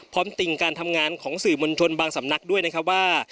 ติ่งการทำงานของสื่อมวลชนบางสำนักด้วยนะครับว่า